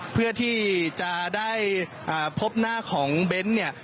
เพื่อที่จะได้พบหน้าของเบนท์เนี่ย